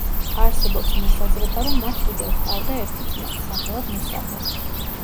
არსებობს მოსაზრება, რომ მათ კიდევ ჰყავდა ერთი ძმა, სახელად მუსტაფა.